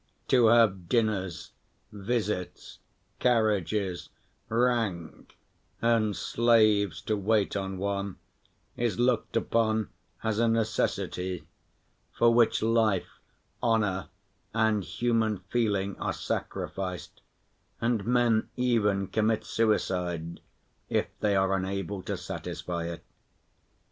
To have dinners, visits, carriages, rank and slaves to wait on one is looked upon as a necessity, for which life, honor and human feeling are sacrificed, and men even commit suicide if they are unable to satisfy it.